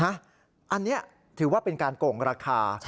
อันนี้ถือว่าเป็นการโกงราคา